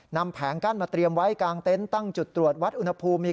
แผงกั้นมาเตรียมไว้กลางเต็นต์ตั้งจุดตรวจวัดอุณหภูมิ